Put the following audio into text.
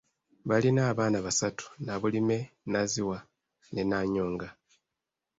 Balina abaana basatu, Nabulime, Nazziwa ne Nannyonga.